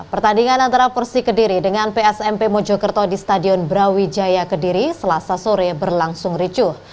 pertandingan antara persi kediri dengan psmp mojokerto di stadion brawijaya kediri selasa sore berlangsung ricuh